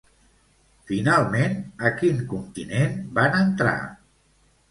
Finalment, a quin continent van entrar?